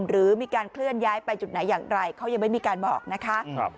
หรือมีการเคลื่อนย้ายไปจุดไหนอย่างไรเขายังไม่มีการบอกนะคะ